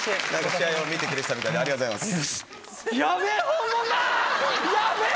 試合を見てくれてたみたいでありがとうございます。